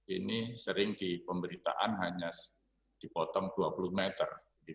ini sering di pemberitaan hanya dipotong dua puluh meter